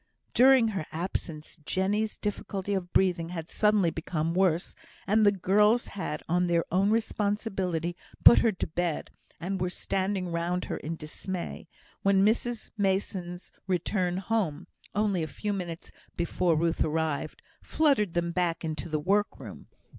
During her absence, Jenny's difficulty of breathing had suddenly become worse, and the girls had, on their own responsibility, put her to bed, and were standing round her in dismay, when Mrs Mason's return home (only a few minutes before Ruth arrived) fluttered them back into the workroom.